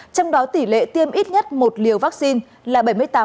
trong đó tỷ lệ tiêm ít nhất một liều vaccine là bảy mươi tám